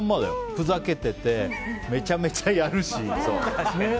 ふざけてて、めちゃめちゃやるし。